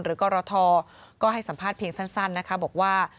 กรทก็ให้สัมภาษณ์เพียงสั้นนะคะบอกว่า